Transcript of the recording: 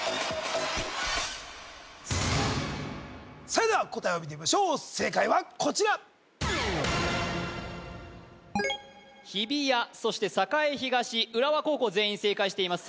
それでは答えを見てみましょう正解はこちら日比谷そして栄東浦和高校全員正解しています